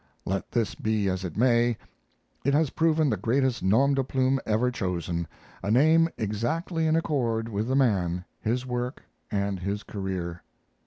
Let this be as it may, it has proven the greatest 'nom de plume' ever chosen a name exactly in accord with the man, his work, and his career.